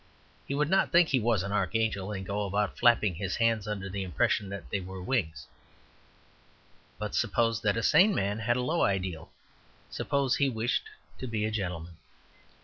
He would not think he was an archangel, and go about flapping his hands under the impression that they were wings. But suppose that a sane man had a low ideal; suppose he wished to be a gentleman.